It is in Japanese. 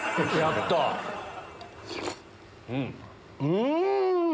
うん！